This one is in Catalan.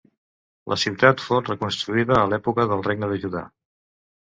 La ciutat fou reconstruïda a l'època del regne de Judà.